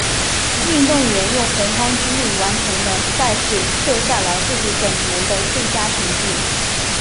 运动员用洪荒之力完成赛事，设下了自己本年的最佳成绩。